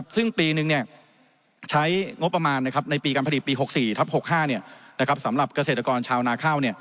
ซึ่งปีนึงใช้งบประมาณในปีการผลิตปี๖๔ทับ๖๕สำหรับเกษตรกรชาวนาข้าว